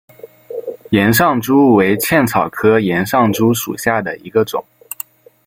岩上珠为茜草科岩上珠属下的一个种。